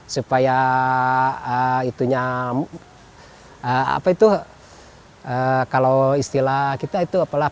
supaya itu nyamuk apa itu kalau istilah kita itu apa lah